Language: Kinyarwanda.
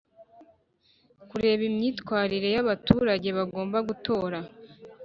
Kureba imyitwarire y abaturage bagomba gutora